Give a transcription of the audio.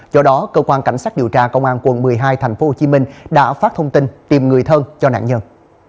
do đó cơ quan cảnh sát điều tra công an quận một mươi hai tp hcm đã phát thông tin tìm người thân cho nạn nhân